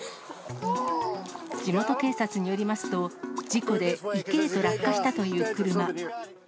地元警察によりますと、事故で池へと落下したという車。